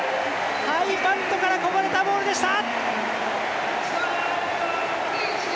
ハイパントからこぼれたボールでした。